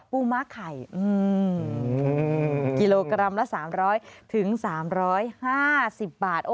ม้าไข่กิโลกรัมละ๓๐๐๓๕๐บาท